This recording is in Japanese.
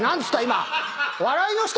今。